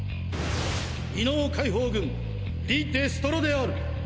異能解放軍リ・デストロである！